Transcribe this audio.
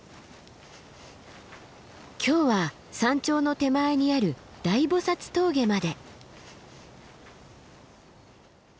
今日は山頂の手前にある大菩峠まで。